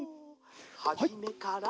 「はじめから」